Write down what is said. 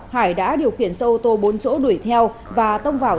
hải đã điều khiển xe ô tô bốn chỗ đuổi theo và tông vào